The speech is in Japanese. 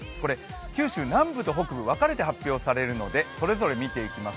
九州南部と北部、分かれて発表されますのでそれぞれ見ていきます。